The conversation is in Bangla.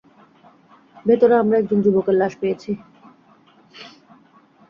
ভেতরে আমরা একজন যুবকের লাশ পেয়েছি।